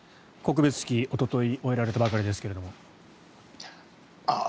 告別式、おととい終えられたばかりですけれども。